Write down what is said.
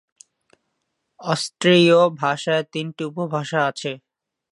অসেটীয় ভাষার তিনটি উপভাষা আছে।